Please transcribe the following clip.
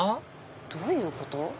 どういうこと？